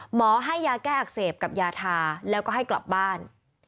หมอให้ยาแก้อักเสบกับยาทาแล้วก็ให้กลับบ้าน